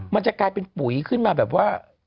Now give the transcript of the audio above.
มันจะกลายเป็นปุ๋ยขึ้นมาแบบว่า